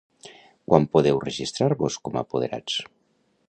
Fins quan podeu registrar-vos com a apoderats?